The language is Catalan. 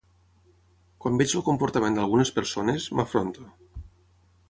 Quan veig el comportament d'algunes persones, m'afronte.